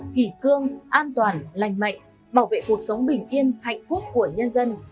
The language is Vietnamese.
kỳ cương an toàn lành mạnh bảo vệ cuộc sống bình yên hạnh phúc của nhân dân